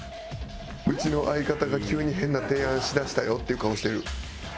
うちの相方が急に変な提案しだしたよっていう顔してる。